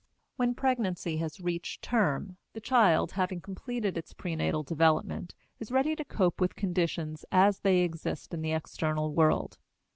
When pregnancy has reached "term," the child, having completed its prenatal development, is ready to cope with conditions as they exist in the external world.